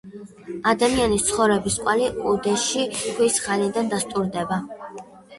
ადამიანის ცხოვრების კვალი უდეში ქვის ხანიდან დასტურდება.